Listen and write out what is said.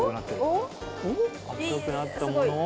赤くなったものを？